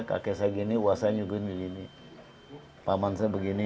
kakek saya begini uasanya begini paman saya begini